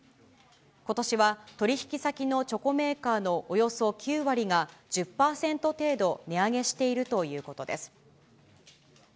ことしは取り引き先のチョコメーカーのおよそ９割が、１０％程度値上げしているということです。